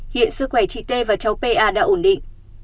hiện sức khỏe chị t và cháu pa đã ổn định